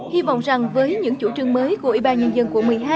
hy vọng rằng với những chủ trương mới của ybnd của một mươi hai